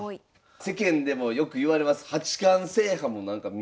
世間でもよくいわれます